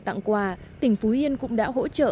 tặng quà tỉnh phú yên cũng đã hỗ trợ